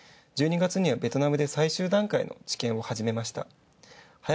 １２月にはベトナムで最終段階の治験を始めました。